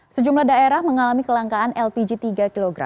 sejumlah daerah mengalami kelangkaan lpg tiga kg